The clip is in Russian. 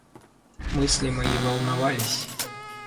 Мысли мои волновались.